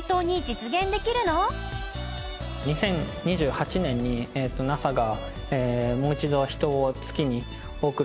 ２０２８年にＮＡＳＡがもう一度人を月に送る。